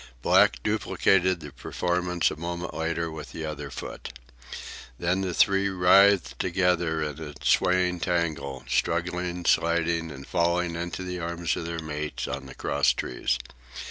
Black duplicated the performance a moment later with the other foot. Then the three writhed together in a swaying tangle, struggling, sliding, and falling into the arms of their mates on the crosstrees.